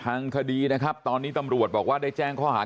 ทางคดีนะครับตอนนี้ตำรวจบอกว่าได้แจ้งข้อหา